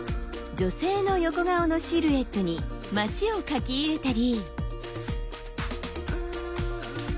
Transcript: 女性の横顔のシルエットに街を描き入れたり。